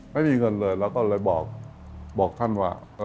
ไม่มีเงินเลยเราก็เลยบอกท่านว่า